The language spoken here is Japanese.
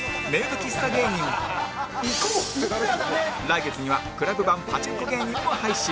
来月には ＣＬＵＢ 版パチンコ芸人も配信